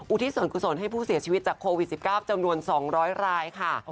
ทิศส่วนกุศลให้ผู้เสียชีวิตจากโควิด๑๙จำนวน๒๐๐รายค่ะ